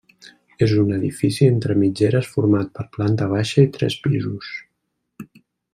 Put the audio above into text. És un edifici entre mitgeres format per planta baixa i tres pisos.